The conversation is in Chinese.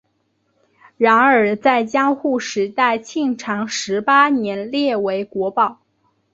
然而在江户时代庆长十八年列为国宝。